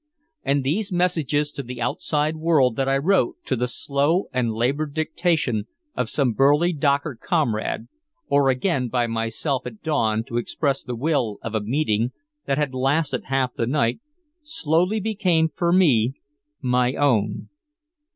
And these messages to the outside world that I wrote to the slow and labored dictation of some burly docker comrade, or again by myself at dawn to express the will of a meeting that had lasted half the night slowly became for me my own.